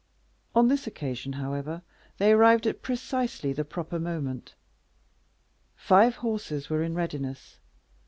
On this occasion, however, they arrived at precisely the proper moment. Five horses were in readiness.